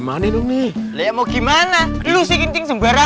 alam ini juga